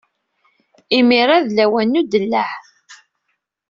Imir-a d lawan n udellaɛ.